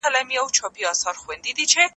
کي يې په عربي ژبه د پام وړ فصاحت ښوولی دی،